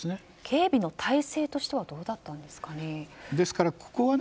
警備の態勢としてはどうだったんですかね。